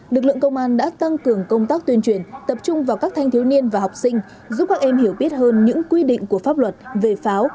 lực lượng công an đã tăng cường công tác tuyên truyền tập trung vào các thanh thiếu niên và học sinh giúp các em hiểu biết hơn những quy định của pháp luật về pháo